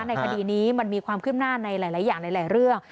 ในคดีนี้มันมีความขึ้นหน้าในหลายอย่างหลายเรื่อง